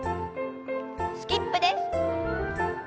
スキップです。